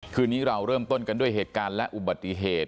คืนนี้เราเริ่มต้นกันด้วยเหตุการณ์และอุบัติเหตุ